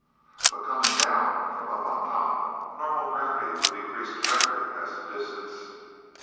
But, coming down from up on top, normal gravity would decrease directly as the distance!"